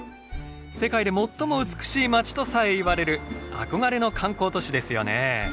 世界で最も美しい街とさえいわれる憧れの観光都市ですよね。